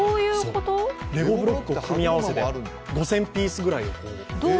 レゴブロックを組み合わせて５０００ピースぐらいを。